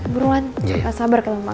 buruan sabar sabar ke pangeran